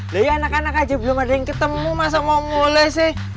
dari anak anak aja belum ada yang ketemu masa mau mulai sih